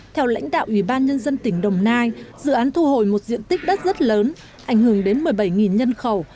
theo lãnh đạo ubnd tỉnh đồng nai dự án thu hồi một diện tích đất rất lớn ảnh hưởng đến một mươi bảy nhân khẩu